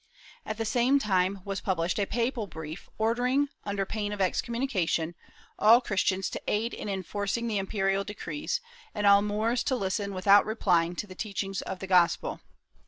At the same time was pubhshed a papal brief ordering, under pain of excommunication, all Christians to aid in enforcing the imperial decrees, and all Moors to listen without replying to the teachings of the Gospel.